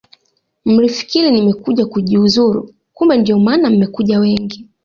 Mlifikiri nimekuja kujiuzulu kumbe ndiyo maana mmekuja wengi